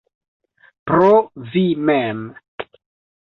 Pro vi mem.